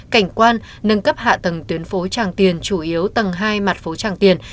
cảnh quan nâng cấp hạ tầng tuyến phố trang tiền chủ yếu tầng hai mặt phố trang tiền